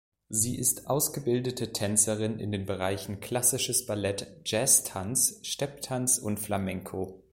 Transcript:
Sie ist ausgebildete Tänzerin in den Bereichen klassisches Ballett, Jazztanz, Stepptanz und Flamenco.